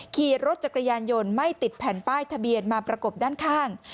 ขี่รถจักรยานยนต์ไม่ติดแผ่นป้ายทะเบียนมาประกบด้านข้าง